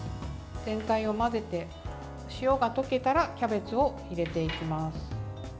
全体を混ぜて、塩が溶けたらキャベツを入れていきます。